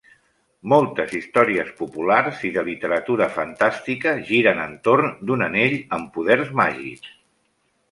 Moltes històries populars i de literatura fantàstica giren entorn d'un anell amb poders màgics.